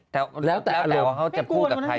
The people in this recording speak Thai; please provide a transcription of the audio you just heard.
ตะแล้วหลอก